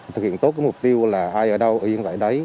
thực hiện tốt mục tiêu là ai ở đâu yên tại đấy